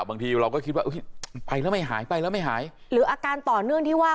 บางทีเราก็คิดว่าไปแล้วไม่หายหรืออาการต่อเนื่องที่ว่า